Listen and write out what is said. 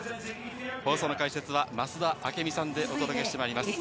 放送の解説は増田明美さんでお伝えしてまいります。